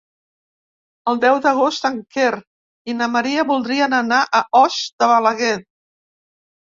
El deu d'agost en Quer i na Maria voldrien anar a Os de Balaguer.